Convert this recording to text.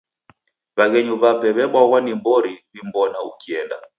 W'aghenyu w'ape w'ebwaghwa ni mbori w'imbona ukienda.